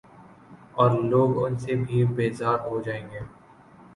اورلوگ ان سے بھی بیزار ہوجائیں گے۔